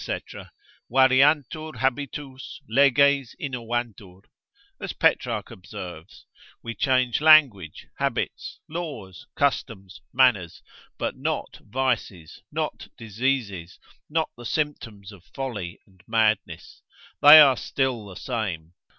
variantur habitus, leges innovantur, as Petrarch observes, we change language, habits, laws, customs, manners, but not vices, not diseases, not the symptoms of folly and madness, they are still the same.